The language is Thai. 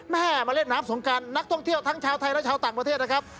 แม่มาเล่นน้ำสงการนักท่องเที่ยวทั้งชาวไทยและชาวต่างประเทศนะครับ